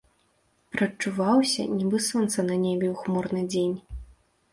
Прадчуваўся, нібы сонца на небе ў хмурны дзень.